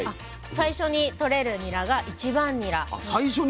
最初にとれるニラが１番ニラ。